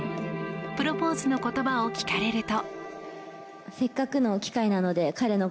プロポーズの言葉を聞かれると。